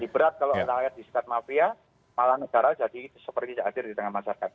berarti rakyat disikat mafia malah negara jadi super ngejadir di tengah masyarakat